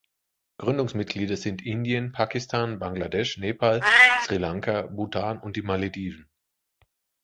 Gründungsmitglieder sind Indien, Pakistan, Bangladesch, Nepal, Sri Lanka, Bhutan und die Malediven.